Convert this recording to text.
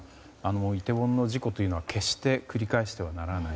イテウォンの事故というのは決して繰り返してはならない。